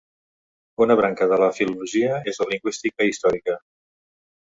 Una branca de la Filologia és la lingüística històrica.